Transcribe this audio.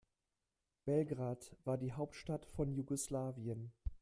Belgrad war die Hauptstadt von Jugoslawien.